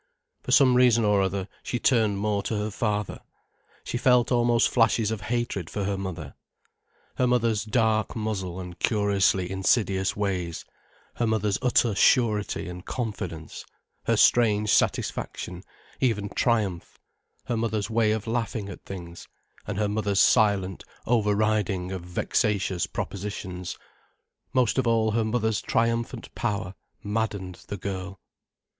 For some reason or other, she turned more to her father, she felt almost flashes of hatred for her mother. Her mother's dark muzzle and curiously insidious ways, her mother's utter surety and confidence, her strange satisfaction, even triumph, her mother's way of laughing at things and her mother's silent overriding of vexatious propositions, most of all her mother's triumphant power maddened the girl.